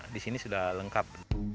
di sini sudah lengkap